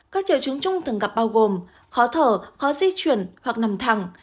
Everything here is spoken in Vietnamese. các triệu chứng chung thường gặp bao gồm khó thở khó di chuyển hoặc nằm thẳng